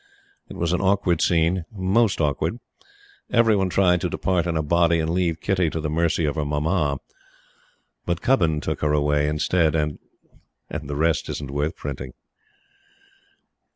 It was an awkward scene most awkward. Every one tried to depart in a body and leave Kitty to the mercy of her Mamma. But Cubbon took her away instead, and the rest isn't worth printing.